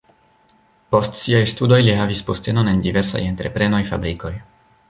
Post siaj studoj li havis postenon en diversaj entreprenoj, fabrikoj.